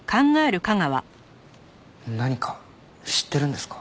何か知ってるんですか？